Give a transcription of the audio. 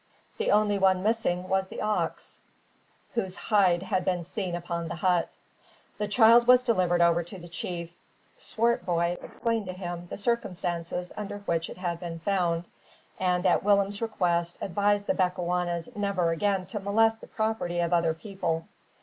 The only one missing was the ox whose hide had been seen upon the hut. The child was delivered over to the chief. Swartboy explained to him the circumstances under which it had been found; and at Willem's request advised the Bechuanas never again to molest the property of other people.